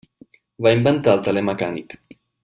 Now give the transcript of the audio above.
Va inventar el teler mecànic.